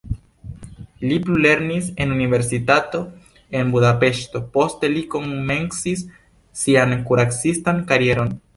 Li plulernis en universitato en Budapeŝto, poste li komencis sian kuracistan karieron.